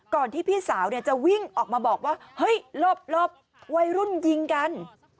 ที่พี่สาวจะวิ่งออกมาบอกว่าเฮ้ยหลบวัยรุ่นยิงกัน